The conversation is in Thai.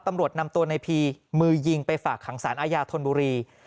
ตำรวจนำตัวในพีมือยิงไปฝากขังสารอาญาธนบุรี